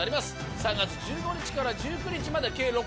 ３月１５日から１９日まで計６公演。